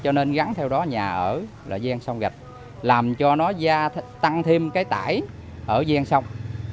cho nên gắn theo đó nhà ở là ven sông gạch làm cho nó tăng thêm cái tải ở ven sông